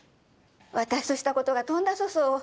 私としたことがとんだ粗相を。